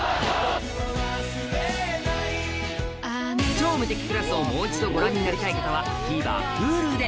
『超無敵クラス』をもう一度ご覧になりたい方はＴＶｅｒＨｕｌｕで